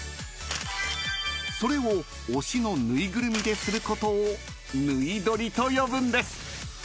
［それを推しのぬいぐるみですることをぬい撮りと呼ぶんです］